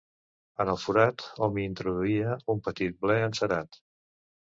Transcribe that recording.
En el forat hom hi introduïa un petit ble encerat.